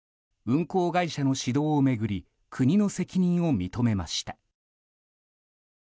運航会社の指導を巡り国の責任を認めました。